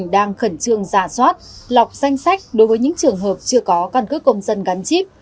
tỉnh đang khẩn trương giả soát lọc danh sách đối với những trường hợp chưa có cân cước công dân gắn chip